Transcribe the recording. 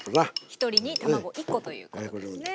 １人に卵１コということですね。